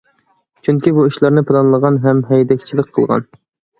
چۈنكى بۇ ئىشلارنى ئۇ پىلانلىغان ھەم ھەيدەكچىلىك قىلغان.